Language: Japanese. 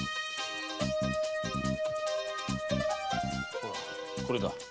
ほらこれだ。